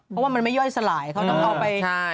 เพราะว่ามันไม่ย่อยสลายนะ